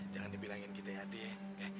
jangan dibilangin kita ya hati ya